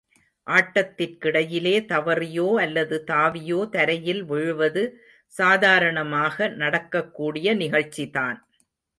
ஆட்டத்திற்கிடையிலே தவறியோ அல்லது தாவியோ தரையில் விழுவது சாதாரணமாக நடக்கக் கூடிய நிகழ்ச்சிதான்.